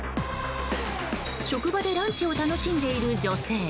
職場でランチを楽しんでいる女性。